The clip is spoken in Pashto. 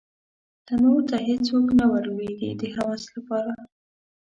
تنور ته هېڅوک نه ور لویږې د هوس لپاره